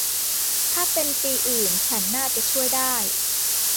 ถ้าเป็นปีอื่นฉันน่าจะช่วยได้